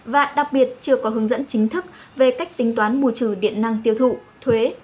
và đặc biệt chưa có hướng dẫn chính thức về cách tính toán bù trừ điện năng tiêu thụ thuế